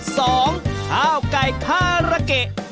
สองข้าวไก่ข้าระเกะ